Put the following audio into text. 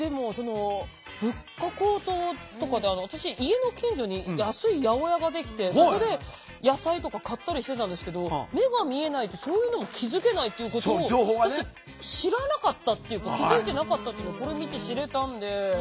物価高騰とかって私、家の近所に安い八百屋ができてそこで野菜とか買ったりしてたんですけど目が見えないと、そういうのに気付けないということを私、知らなかったというか気付いてなかったけどこれを見て知れたので。